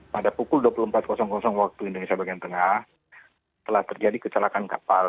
pada pukul dua puluh empat waktu indonesia bagian tengah telah terjadi kecelakaan kapal